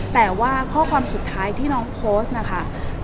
แต่ว่าข้อความสุดท้ายที่น้องโพสต์นะคะ